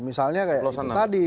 misalnya kayak itu tadi